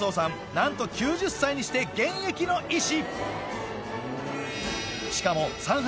なんと９０歳にして現役の医師！